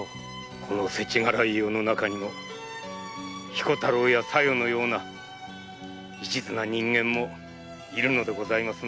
このせちがらい世の中にも彦太郎や小夜のような一途な人間もいるのでございますな。